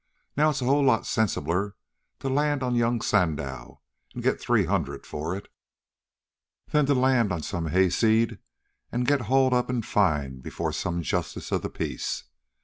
Now, it's a whole lot sensibler to land on Young Sandow an' get three hundred for it, than to land on some hayseed an' get hauled up an' fined before some justice of the peace.